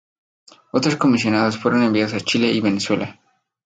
Otros comisionados fueron enviados a Chile y Venezuela.